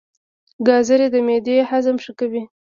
ګازرې د معدې هضم ښه کوي.